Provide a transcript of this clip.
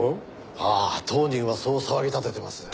はあ当人はそう騒ぎ立ててます。